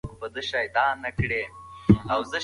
آیا پوهېږئ چې د کدو تخم د حافظې لپاره ډېر ګټور دی؟